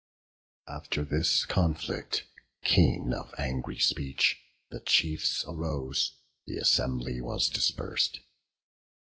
After this conflict keen of angry speech, The chiefs arose, the assembly was dispers'd.